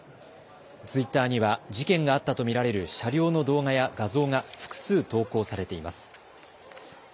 ツイッターには事件があったと見られる車両の動画や画像が複数投稿されています。